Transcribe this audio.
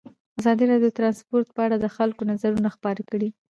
ازادي راډیو د ترانسپورټ په اړه د خلکو نظرونه خپاره کړي.